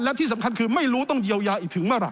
และที่สำคัญคือไม่รู้ต้องเยียวยาอีกถึงเมื่อไ